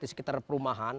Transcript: di sekitar perumahan